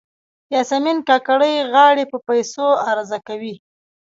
یاسمین کاکړۍ غاړې په پیسو عرضه کوي.